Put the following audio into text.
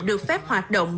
được phép hoạt động